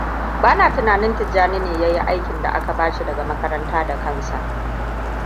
Bana tunanin Tijjani ne ya yi aikin da aka bashi daga makaranta da kansa.